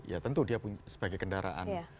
ya tentu dia sebagai kendaraan